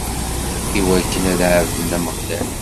Iwakken ad ɛebden Ameɣlal.